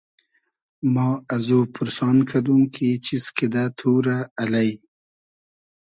ما ازو پورسان کئدوم کی چیز کیدۂ تو رۂ الݷ